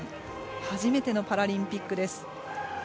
初めてのパラリンピックです。